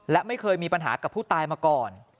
และไม่เคยมีปัญหากับผู้ตายมาก่อน